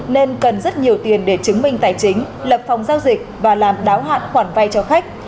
nên cần rất nhiều tiền để chứng minh tài chính lập phòng giao dịch và làm đáo hạn khoản vay cho khách